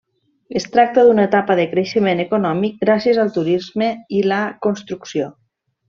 Es tracta d'una etapa de creixement econòmic gràcies al turisme i a la construcció.